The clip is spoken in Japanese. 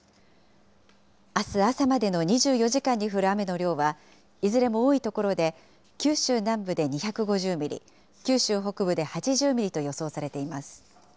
あす朝までの２４時間に降る雨の量は、いずれも多い所で、九州南部で２５０ミリ、九州北部で８０ミリと予想されています。